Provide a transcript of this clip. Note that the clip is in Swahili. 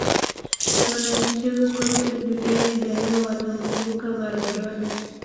wanamichezo kote duniani daima watamkumbuka maradona